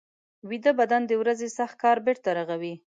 ویده بدن د ورځې سخت کار بېرته رغوي